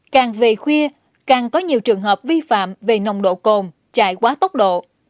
càng về khuya càng có nhiều trường hợp vi phạm về nồng độ cồn chạy quá tốc độ